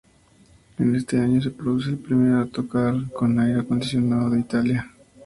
En este año se produce el primer autocar con aire acondicionado de Italia.